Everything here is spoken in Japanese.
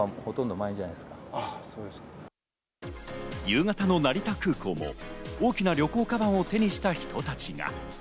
夕方の成田空港も大きな旅行かばんを手にした人たちが。